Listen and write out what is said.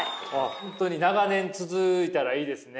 本当に長年続いたらいいですね。